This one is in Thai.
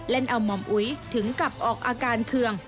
เล่นเอาหม่อมอุ๋ยถึงกับออกอาการเคือง